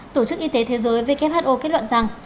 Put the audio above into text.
tổ chức y tế thế giới who kết luận rằng